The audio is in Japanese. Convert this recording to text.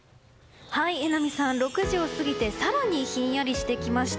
榎並さん、６時を過ぎて更にひんやりしてきました。